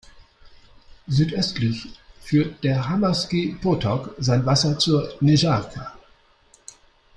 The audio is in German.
Südöstlich führt der Hamerský potok sein Wasser zur Nežárka.